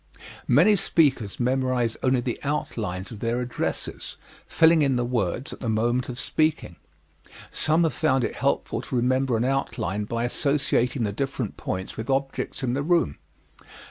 Many speakers memorize only the outlines of their addresses, filling in the words at the moment of speaking. Some have found it helpful to remember an outline by associating the different points with objects in the room.